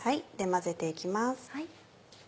混ぜて行きます。